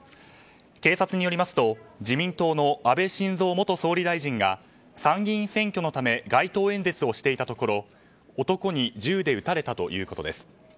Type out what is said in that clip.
警察によりますと自民党の安倍晋三元総理大臣が参議院選挙のため街頭演説をしていたところ男に銃で撃たれたということです。